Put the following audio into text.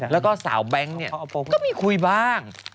แล้วก็สาวแบงก์ก็ไม่คุยบ้าง